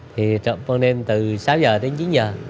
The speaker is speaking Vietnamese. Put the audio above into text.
thì lộn bằng đêm từ sáu h đến chín h